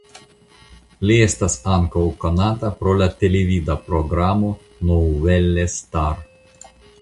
Li estas ankaŭ konata pro la televida programo "Nouvelle Star".